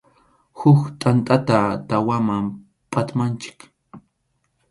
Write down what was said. Huk tʼantata tawaman phatmanchik.